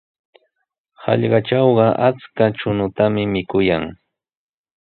Hallqatrawqa achka chuñutami mikuyan.